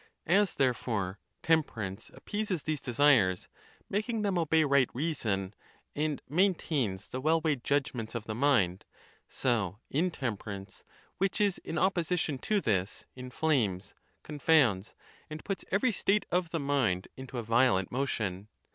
As, therefore, temperance ap peases these desires, making them obey right reason, and maintains the well weighed judgments of the mind, so in temperance, which is in opposition to this, inflames, con founds, and puts every state of the mind into a violent mo tion.